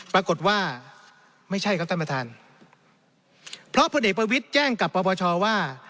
ปรากฏว่าไม่ใช่ครับท่านประธานเพราะพลเอกประวิทย์แจ้งกับปปชว่า